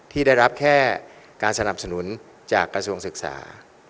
ที่ได้รับแค่การสนับสนุนจากกระทรวงศึกษา